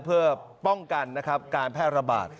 เพื่อป้องกันนะครับการแพร่ระบาด